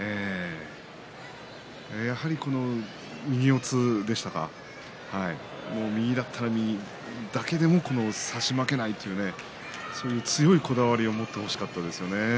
やはり右四つでしたか右だったら右だけでも差し負けないというそういう強いこだわりを持ってほしかったですね。